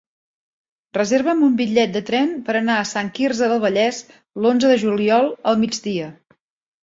Reserva'm un bitllet de tren per anar a Sant Quirze del Vallès l'onze de juliol al migdia.